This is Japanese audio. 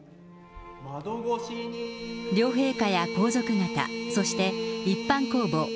両陛下や皇族方、そして一般公募